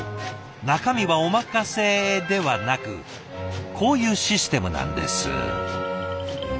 中身はお任せではなくこういうシステムなんです。